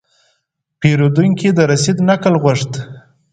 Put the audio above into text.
پیرودونکی د رسید نقل غوښت.